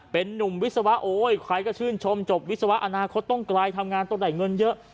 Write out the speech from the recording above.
เป็นนุ่มวิศวะโอ้ยใครก็ชื่นชมจบวิศวะอนาคตต้องไกลทำงานต้องได้เงินเยอะ